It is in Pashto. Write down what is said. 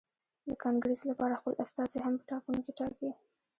د کانګرېس لپاره خپل استازي هم په ټاکنو کې ټاکي.